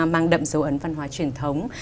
mang đậm dấu ấn văn hóa truyền thống